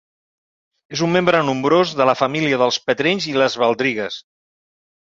És un membre nombrós de la família dels petrells i les baldrigues.